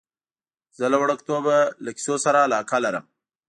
زه له وړکتوبه له کیسو سره علاقه لرم.